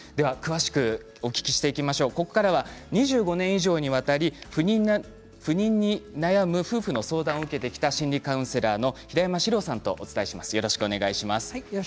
ここからは２５年以上にわたり不妊に悩む夫婦の相談を受けてきた心理カウンセラーの平山史朗さんとお伝えします。